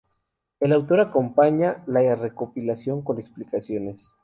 El autor acompaña la recopilación con explicaciones.